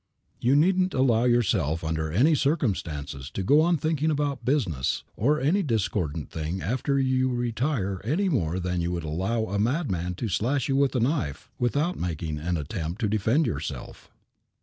You needn't allow yourself, under any circumstances, to go on thinking about business or any discordant thing after you retire any more than you would allow a madman to slash you with a knife without making any attempt to defend yourself.